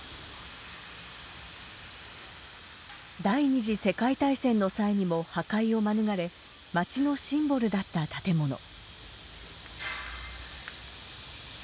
第２次世界大戦の際にも破壊を免れ街のシンボルだった建物。